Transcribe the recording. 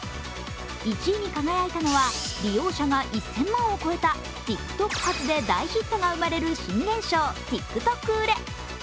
１位に輝いたのは利用者が１０００万を超えたＴｉｋＴｏｋ発で大ヒットが生まれる新現象、ＴｉｋＴｏｋ売れ。